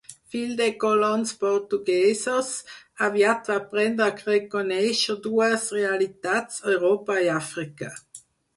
Fill de colons portuguesos, aviat va aprendre a reconèixer dues realitats, Europa i Àfrica.